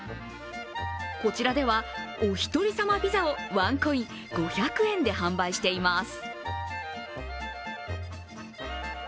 こちらでは、おひとり様ピザをワンコイン、５００円で販売しています。